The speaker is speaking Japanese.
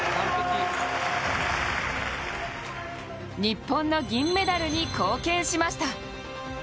日本の銀メダルに貢献しました。